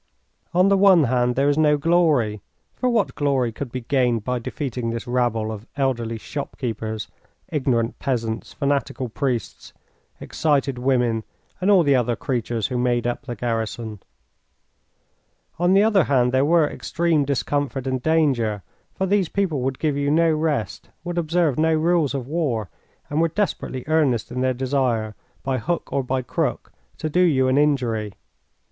On the one hand there is no glory, for what glory could be gained by defeating this rabble of elderly shopkeepers, ignorant peasants, fanatical priests, excited women, and all the other creatures who made up the garrison? On the other hand there were extreme discomfort and danger, for these people would give you no rest, would observe no rules of war, and were desperately earnest in their desire by hook or by crook to do you an injury.